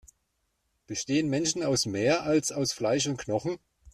Bestehen Menschen aus mehr, als aus Fleisch und Knochen?